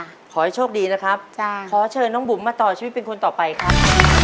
ขอให้โชคดีนะครับจ้ะขอเชิญน้องบุ๋มมาต่อชีวิตเป็นคนต่อไปครับ